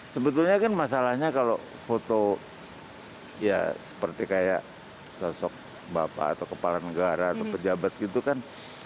sebetulnya kan masalahnya kalau foto ya seperti kayak sosok bapak atau kepala negara atau pejabat gitu kan